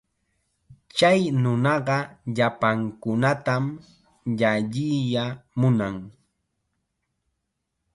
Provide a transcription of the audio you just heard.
Chay nunaqa llapankunatam llalliya munan.